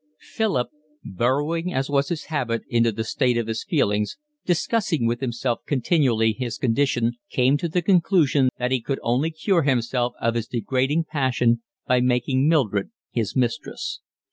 Philip, burrowing as was his habit into the state of his feelings, discussing with himself continually his condition, came to the conclusion that he could only cure himself of his degrading passion by making Mildred his mistress.